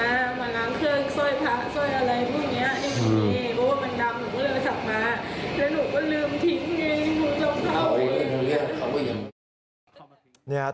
แล้วหนูก็ลืมทิ้งเองหนูจับเข้าไป